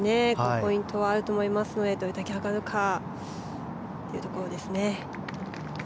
ポイントはあると思いますのでどれだけ上がるかというところですね。